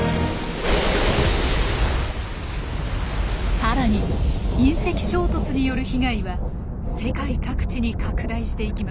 さらに隕石衝突による被害は世界各地に拡大していきます。